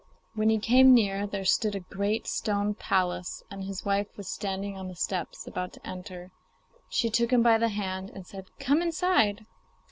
When he came near, there stood a great stone palace, and his wife was standing on the steps, about to enter. She took him by the hand and said, 'Come inside.